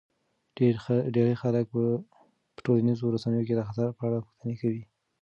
ډیری خلک په ټولنیزو رسنیو کې د خطر په اړه پوښتنې کوي.